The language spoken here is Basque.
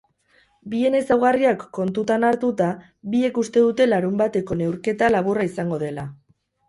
Bien ezaugarriak kontutan hartuta biek uste dute larunbateko neurketa laburra izango dela.